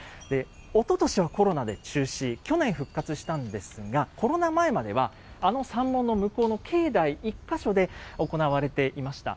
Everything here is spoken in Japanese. おととしはコロナで中止、去年復活したんですが、コロナ前までは、あの山門の向こうの境内１か所で行われていました。